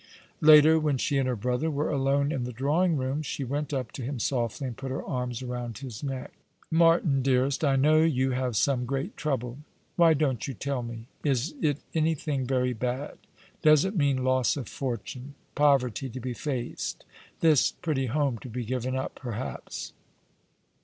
Later, when she and her brother were alone in the drawing room, she went up to him softly and {)ut her arms around his neck. " Martin, dearest, I know you have some great trouble. Wliy don't you tell me ? Is it anything very bad ? Does it mean loss of fortune; poverty to be faced; this pretty home to be given up, perhaps